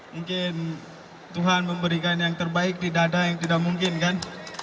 mungkin tuhan memberikan yang terbaik tidak ada yang tidak mungkin kan